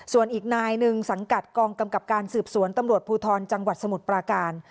ส่วนอีกนายหนึ่งสังกัดกองกำกับการสืบสวนตำรวจภูทรจังหวัดสมุทรปราการ